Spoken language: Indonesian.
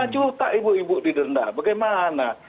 lima juta ibu ibu didenda bagaimana